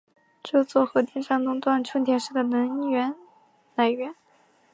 这座核电站垄断春田市的能源来源。